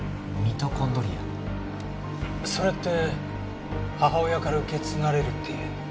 それって母親から受け継がれるっていう。